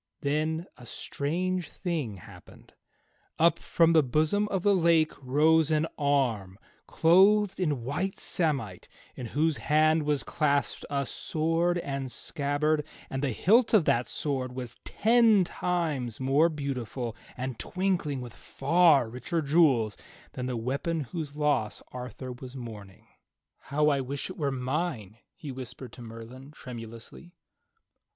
Then a strange thing happened. Up from the bosom of the lake rose an arm clothed in white samite in whose hand was clasped a sword and scabbard, and the hilt of that sword was ten times more beautiful and twinkled with far richer jewels than the weapon whose loss Arthur was mourning. "How I wish it were mine," he whispered to Merlin tremu lously.